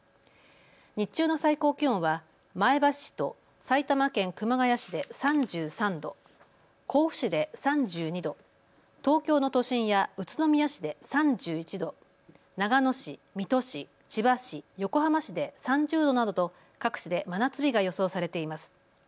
日中の最高気温は前橋市と埼玉県熊谷市で３３度、甲府市で３２度、東京の都心や宇都宮市で３１度、長野市、水戸市、千葉市、横浜市で３０度などと各地で真夏日が予想されています。